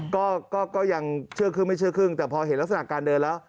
ก็ก็ยังเชื่อครึ่งไม่เชื่อครึ่งแต่พอเห็นลักษณะการเดินแล้ว